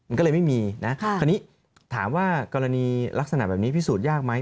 มันก็เลยไม่มีนะคราวนี้ถามว่ากรณีลักษณะแบบนี้พิสูจน์ยากไหม